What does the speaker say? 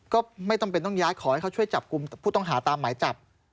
ก็ไม่จำเป็นต้องย้ายขอให้เขาช่วยจับกลุ่มผู้ต้องหาตามหมายจับ